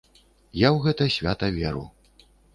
Я ў гэта свята веру.